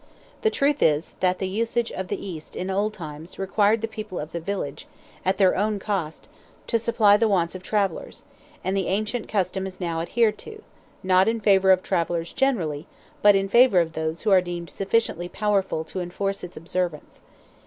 The truth is, that the usage of the East, in old times, required the people of the village, at their own cost, to supply the wants of travellers, and the ancient custom is now adhered to, not in favour of travellers generally, but in favour of those who are deemed sufficiently powerful to enforce its observance.